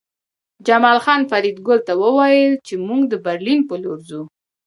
جمال خان فریدګل ته وویل چې موږ د برلین په لور ځو